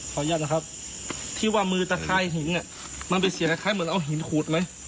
อนุญาตนะครับที่ว่ามือตะคายหินมันเป็นเสียงคล้ายเหมือนเอาหินขูดไหม